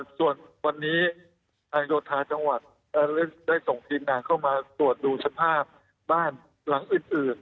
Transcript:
ส่วนวันนี้ทางโยธาจังหวัดได้ส่งทีมงานเข้ามาตรวจดูสภาพบ้านหลังอื่น